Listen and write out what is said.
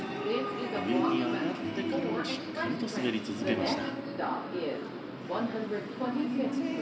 上に上がってからもしっかり滑り続けました。